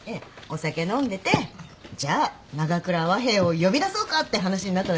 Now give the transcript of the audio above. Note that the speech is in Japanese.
お酒飲んでてじゃあ長倉和平を呼び出そうかって話になっただけで。